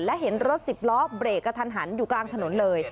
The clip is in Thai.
และเห็นรถสิบล้อเบรกกระทันหันอยู่กลางถนนเลย